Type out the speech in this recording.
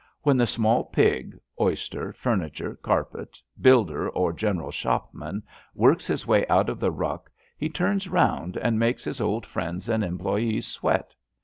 When the small pig, oyster, fur niture, carpet, builder or general shopman works his way out of the ruck he turns round and makes his old friends and employes swe^t.